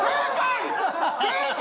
正解！